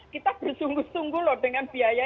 kita bersungguh sungguh loh dengan biaya